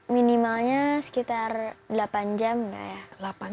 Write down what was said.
minimalnya sekitar delapan jam nggak ya